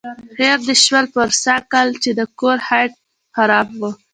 هېر دې شول پروسږ کال چې د کور هیټ خراب و.